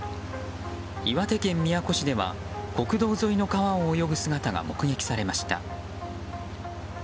岩手県宮古市では国道沿いの川を泳ぐ姿が目撃されました。